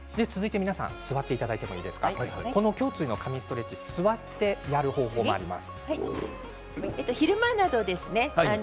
座っていただいていいですか、胸椎の神ストレッチ座ってやる方法もあります。